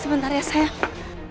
sebentar ya sayang